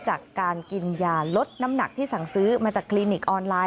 จากการกินยาลดน้ำหนักที่สั่งซื้อมาจากคลินิกออนไลน